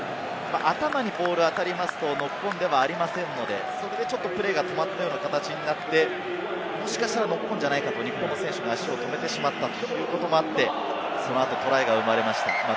頭にボールが当たりますとノックオンではありませんので、それでちょっとプレーが止まったような形になって、日本の選手がノックオンじゃないかと足を止めてしまって、その後トライが生まれた。